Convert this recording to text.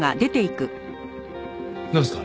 なんですか？